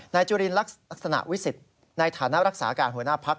จุลินลักษณะวิสิทธิ์ในฐานะรักษาการหัวหน้าพัก